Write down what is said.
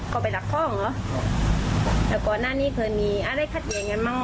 เขาไปหลักข้องเหรออ๋อแต่ก่อนหน้านี้เกิดมีอะไรขัดเย็นอย่างนั้นมั้ง